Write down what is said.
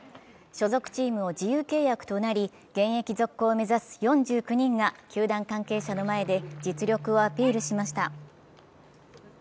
所属チームを自由契約となり、現役続行を目指す４９人が、球団関係者の前で実力をアピールしました。